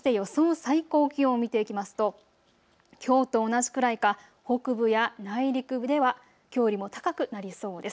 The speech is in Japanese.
最高気温を見ていきますときょうと同じくらいか北部や内陸部ではきょうよりも高くなりそうです。